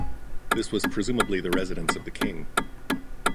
This was presumably the residence of the king.